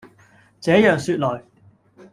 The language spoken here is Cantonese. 這樣說來，